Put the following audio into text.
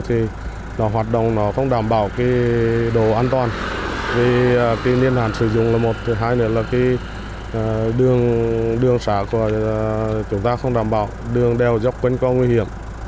thì nó hoạt động nó không đảm bảo cái đồ an toàn vì cái niên hạn sử dụng là một thứ hai nữa là cái đường xã của chúng ta không đảm bảo đường đeo dốc quên con nguy hiểm